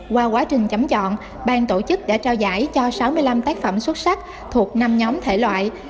qua quá trình chấm chọn bang tổ chức đã trao giải cho sáu mươi năm tác phẩm xuất sắc thuộc năm nhóm thể loại